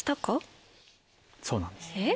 そうなんです。えっ？